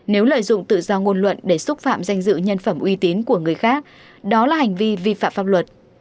nếu lợi dụng tự do ngôn luận để xúc phạm danh dự nhân phẩm uy tín của người khác đó là hành vi vi phạm pháp luật